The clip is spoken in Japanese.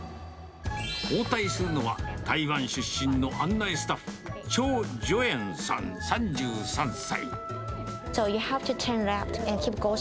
応対するのは、台湾出身の案内スタッフ、張ジョエンさん３３歳。